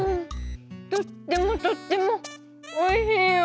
とってもとってもおいしいよ。